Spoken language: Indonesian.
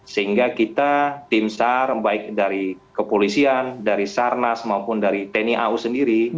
sehingga kita tim sar baik dari kepolisian dari sarnas maupun dari tni au sendiri